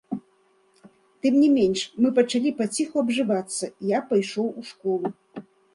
Тым не менш, мы пачалі паціху абжывацца, я пайшоў у школу.